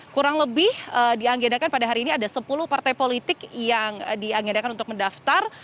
kurang lebih dianggedakan pada hari ini ada sepuluh partai politik yang dianggedakan untuk mendaftar